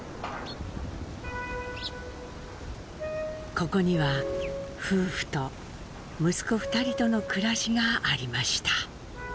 ここには夫婦と息子２人との暮らしがありました。